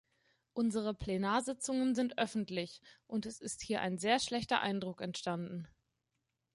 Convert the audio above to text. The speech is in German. Unsere Plenarsitzungen sind öffentlich, und es ist hier ein sehr schlechter Eindruck entstanden.